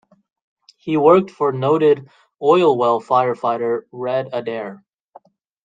He worked for noted oil well fire-fighter Red Adair.